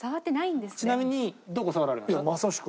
ちなみにどこ触られました？